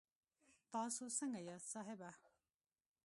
تاسو سنګه یاست صاحبه